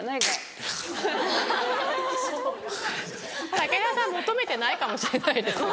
武田さん求めてないかもしれないです。